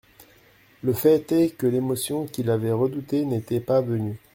Le fait est que l'émotion qu'il avait redoutée n'était pas venue.